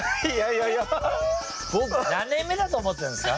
僕何年目だと思ってるんですか。